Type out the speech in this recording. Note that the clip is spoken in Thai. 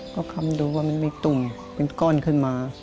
ก็คำดูว่ามันมีตุ่มเป็นก้อนขึ้นมา